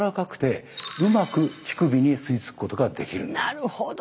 なるほど。